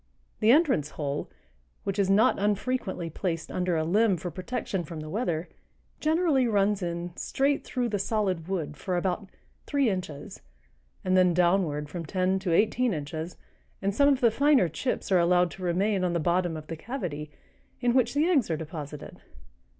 The entrance hole, which is not unfrequently placed under a limb for protection from the weather, generally runs in straight through the solid wood for about three inches, and then downward from ten to eighteen inches, and some of the finer chips are allowed to remain on the bottom of the cavity, in which the eggs are deposited.